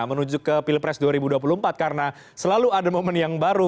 menuju ke pilpres dua ribu dua puluh empat karena selalu ada momen yang baru